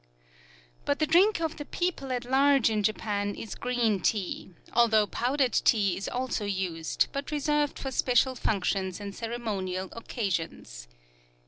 But the drink of the people at large in Japan is green tea, although powdered tea is also used, but reserved for special functions and ceremonial occasions.